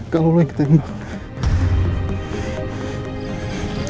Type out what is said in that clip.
kalau lo yang ketengah